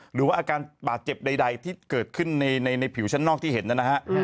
หรือว่าอาการบาดเจ็บใดที่เกิดขึ้นในผิวชั้นนอกที่เห็นนะฮะ